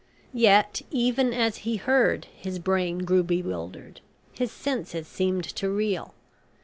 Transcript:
Yet even as he heard his brain grew bewildered his senses seemed to reel.